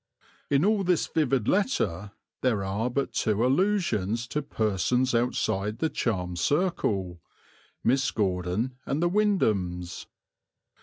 In all this vivid letter there are but two allusions to persons outside the charmed circle, Miss Gordon and the Windhams.